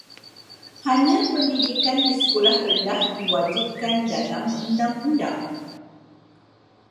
Hanya pendidikan di sekolah rendah diwajibkan dalam undang-undang.